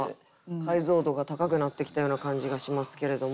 解像度が高くなってきたような感じがしますけれども。